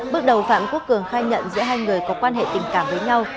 bước đầu phạm quốc cường khai nhận giữa hai người có quan hệ tình cảm với nhau